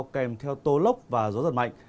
kèm theo tố lốc và gió giật mạnh